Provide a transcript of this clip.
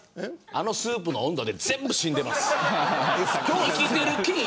あのスープの温度で全部死んでます。